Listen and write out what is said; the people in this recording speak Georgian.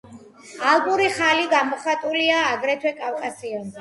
ალპური ხალი გამოხატულია აგრეთვე კავკასიონზე.